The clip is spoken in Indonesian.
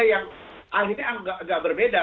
yang akhirnya agak berbeda